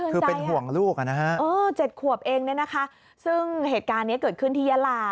คือเป็นห่วงลูกนะฮะ๗ขวบเองเนี่ยนะคะซึ่งเหตุการณ์นี้เกิดขึ้นที่ยาลา